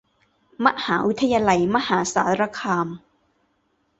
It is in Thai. มหาวิทยาลัยมหาสารคาม